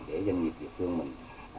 để doanh nghiệp địa phương mình